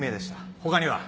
他には？